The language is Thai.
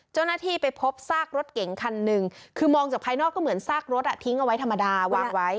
เจ้าหน้าที่ไปพบซากรถเก๋งคันหนึ่งคือมองจากภายนอกก็เหมือนซากรถทิ้งเอาไว้ธรรมดาวางไว้